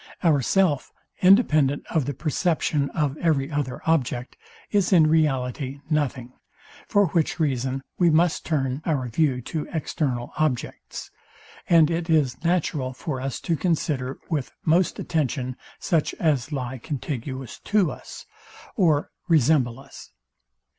Ourself, independent of the perception of every other object, is in reality nothing: For which reason we must turn our view to external objects; and it is natural for us to consider with most attention such as lie contiguous to us, or resemble us.